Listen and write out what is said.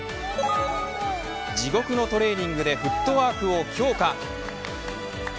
地獄のトレーニングでフットワークを強化。